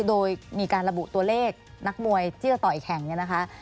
โดยมีการระบุตัวเลขนักมวยที่จะต่ออีกแข่งเนี่ยนะคะ